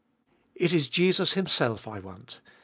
It is Jesus Himself I want.